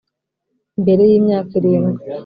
mbere yi myaka irindwi,